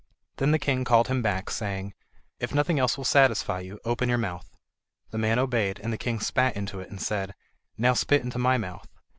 Then the king called him back, saying: "If nothing else will satisfy you, open your mouth." The man obeyed, and the king spat into it, and said: "Now spit into my mouth."